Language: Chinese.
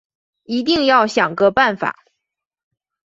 一定要想个办法